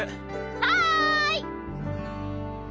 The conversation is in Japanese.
はい！